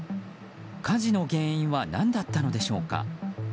火事の原因は何だったのでしょうか。